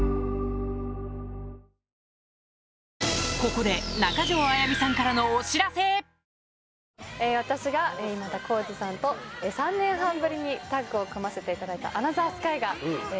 ここで私が今田耕司さんと３年半ぶりにタッグを組ませていただいた。